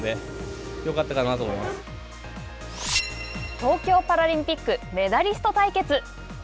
東京パラリンピックメダリスト対決！